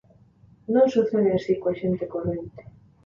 Non sucede así coa xente corrente.